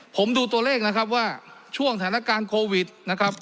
ผมดูตัวเลขนะครับว่าช่วงสถานการณ์โควิดนะครับ